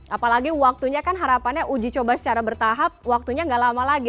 apalagi waktunya kan harapannya uji coba secara bertahap waktunya gak lama lagi